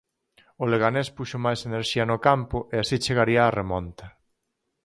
O Leganés puxo máis enerxía no campo e así chegaría a remonta.